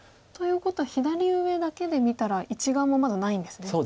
ということは左上だけで見たら１眼もまだないんですね。